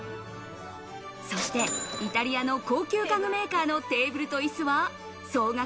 そして、イタリアの高級家具メーカーのテーブルと椅子は総額